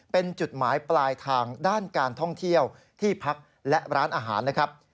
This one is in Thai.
เป็นจุดหมายปลายทางด้านการท่องเที่ยวที่พักและร้านอาหารนะครับ